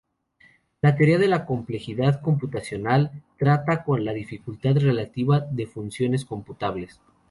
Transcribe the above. La teoría de la complejidad computacional trata con la dificultad relativa de funciones computables.